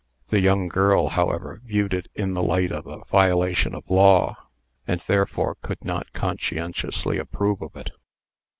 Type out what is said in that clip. The young girl, however, viewed it in the light of a violation of law, and therefore could not conscientiously approve of it.